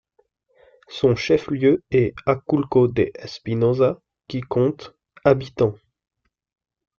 Son chef-lieu est Aculco de Espinoza qui compte habitants.